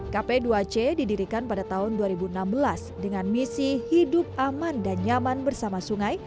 kp dua c didirikan pada tahun dua ribu enam belas dengan misi hidup aman dan nyaman bersama sungai